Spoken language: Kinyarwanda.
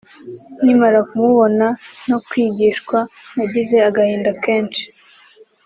nkimara kubona no kwigishwa nagize agahinda kenshi